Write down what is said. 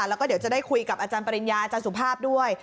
แล้วก็เดี๋ยวจะได้คุยกับอาจารย์ปริญญาอาจารย์สุภาพด้วย